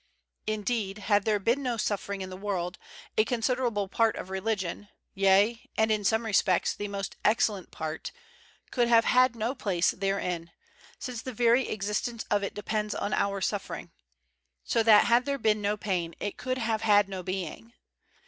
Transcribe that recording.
' Indeed, had there been no suffering in the world, a considerable part of religion, yea, and in some respects, the most excellent part, could have had no place therein: since the very existence of it depends on our suffering: so that had there been no pain it could have had no being.